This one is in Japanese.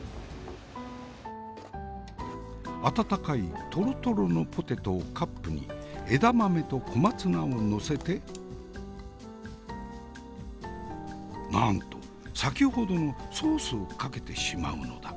温かいとろとろのポテトをカップに枝豆と小松菜を載せてなんと先ほどのソースをかけてしまうのだ。